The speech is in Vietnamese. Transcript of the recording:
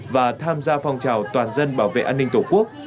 và tham gia phong trào toàn dân bảo vệ an ninh tổ quốc